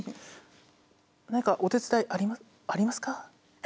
何かお手伝いありますか？